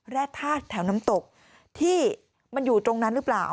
แร่ธาตุแถวน้ำตกที่มันอยู่ตรงนั้นหรือเปล่า